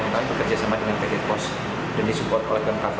kami bekerja sama dengan pt pos dan disupport oleh bmkg